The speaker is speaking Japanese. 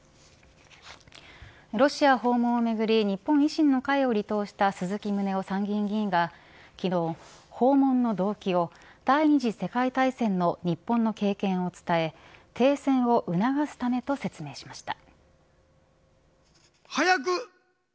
ロシア訪問をめぐり日本維新の会を離党した鈴木宗男参議院議員が昨日訪問の動機を第２次世界大戦の日本の経験を伝え停戦を促すためと説明しました。